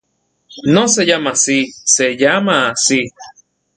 No se llama así. Se llama así.